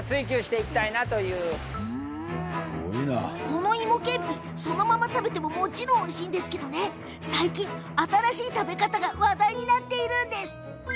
このいもけんぴそのまま食べてももちろんおいしいんですが最近、新しい食べ方が話題になっているんです。